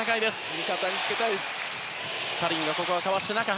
味方につけたいです。